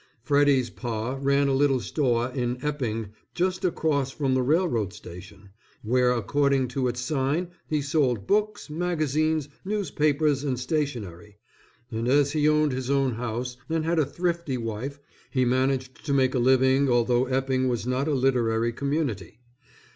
Freddy's Pa ran a little store in Epping just across from the railroad station, where according to its sign he sold Books, Magazines, Newspapers & Stationery, and as he owned his own house and had a thrifty wife he managed to make a living although Epping was not a literary community.